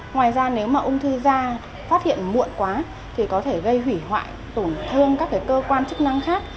ngoài ra nếu mà ung thư da phát hiện muộn quá thì có thể gây hủy hoại tổn thương các cơ quan chức năng khác